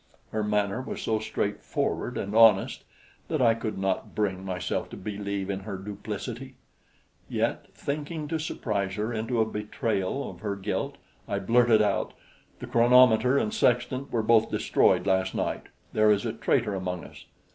Her manner was so straightforward and honest that I could not bring myself to believe in her duplicity; yet Thinking to surprise her into a betrayal of her guilt, I blurted out: "The chronometer and sextant were both destroyed last night; there is a traitor among us."